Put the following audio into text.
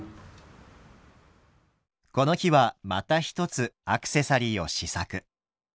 この日はまた一つアクセサリーを試作。